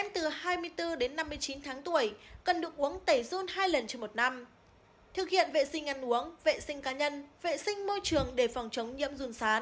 năm trẻ em từ hai mươi bốn đến năm mươi chín tháng tuổi cần được uống tẩy run hai lần trước một năm thực hiện vệ sinh ăn uống vệ sinh cá nhân vệ sinh môi trường để phòng chống nhiễm run sán